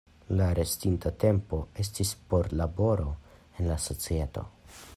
La restinta tempo estis por laboro en la societo.